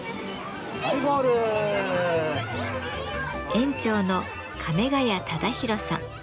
園長の亀ヶ谷忠宏さん。